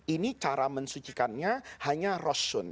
ini cara mensucikannya hanya rasul